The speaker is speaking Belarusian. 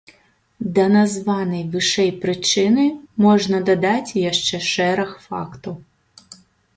Да названай вышэй прычыны можна дадаць яшчэ шэраг фактараў.